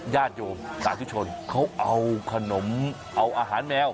ญาติโยมสาธุชนเขาเอาขนมเอาอาหารแมว